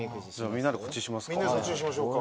みんなでそっちにしましょうか。